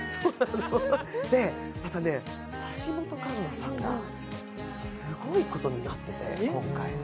あとね、橋本環奈さんが、すごいことになってて、今回。